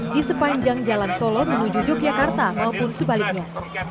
di sepanjang jalan solo menuju yogyakarta maupun sebaliknya